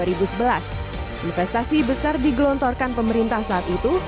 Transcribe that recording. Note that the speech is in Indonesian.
investasi besar digelontorkan pemerintah saat itu